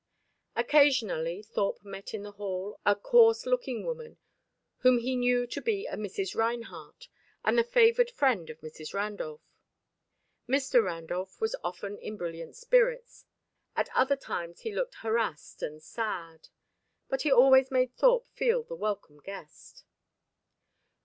Occasionally Thorpe met in the hall a coarse looking woman whom he knew to be a Mrs. Reinhardt and the favoured friend of Mrs. Randolph. Mr. Randolph was often in brilliant spirits; at other times he looked harassed and sad; but he always made Thorpe feel the welcome guest.